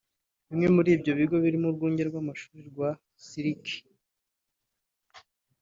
Bimwe muri ibyo bigo birimo Urwunge rw’Amashuri rwa Syiki